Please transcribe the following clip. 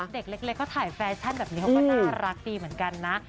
เด็กเล็กเขาถ่ายแฟชั่นแบบนี้เขาก็น่ารักดีเหมือนกันนะ